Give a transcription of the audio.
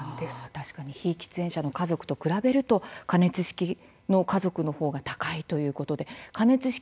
確かに非喫煙者の家族と比べると加熱式の家族のほうが高いということで加熱式